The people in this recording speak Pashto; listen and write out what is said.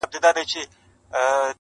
سره يو به کي موجونه -